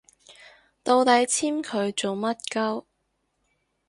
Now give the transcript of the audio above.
到底簽佢做乜 𨳊